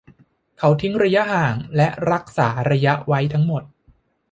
เขาทิ้งระยะห่างและรักษาระยะไว้ทั้งหมด